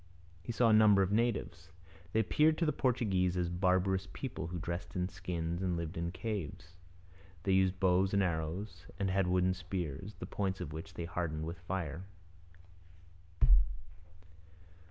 He saw a number of natives. They appeared to the Portuguese a barbarous people, who dressed in skins, and lived in caves. They used bows and arrows, and had wooden spears, the points of which they hardened with fire.